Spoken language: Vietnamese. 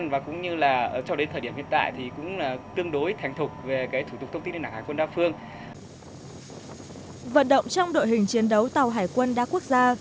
vận động trong đội hình chiến đấu tàu hải quân đa quốc gia